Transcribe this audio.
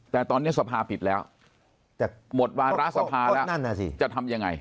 แต่ตอนนี้สภาปิดแล้วแต่หมดวาระสภาแล้วจะทำยังไง